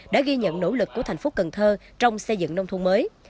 đã ghi nhận nỗ lực của tp cn trong xây dựng nông thôn mới